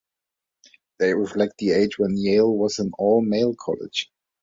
They reflect the age when Yale was an all-male college.